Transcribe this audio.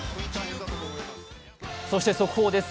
そして速報です。